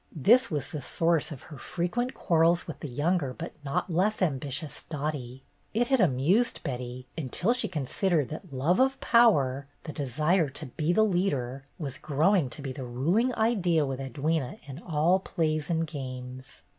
This was the source of her frequent quarrels with the younger but not less ambitious Dottie. It had amused Betty, until she considered that love of power, the desire to be the leader, A CITY HISTORY CLUB 179 was growing to be the ruling idea with Edwyna in all plays and games.